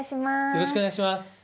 よろしくお願いします。